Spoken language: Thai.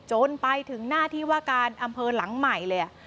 จนไปถึงหน้าที่ว่าการอำเภอหลังใหม่เลย